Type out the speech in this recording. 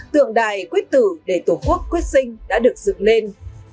tượng đài quyết tử để tổ quốc quyết sinh đã được dựng lên